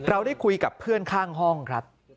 เราได้คุยกับเพื่อนข้างห้องครับ